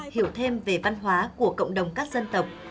hiểu thêm về văn hóa của cộng đồng các dân tộc